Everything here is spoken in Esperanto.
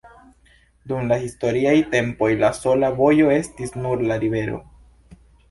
Dum la historiaj tempoj la sola vojo estis nur la rivero.